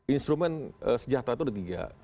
instrumen sejahtera itu ada tiga